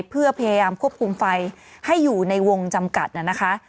เพื่อพยายามควบคุมไฟให้อยู่ในวงจำกัดน่ะนะคะ